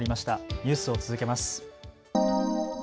ニュースを続けます。